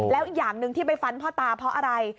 แล้วอีกอย่างหนึ่งที่ไปฟันพ่อตาเพราะอะไร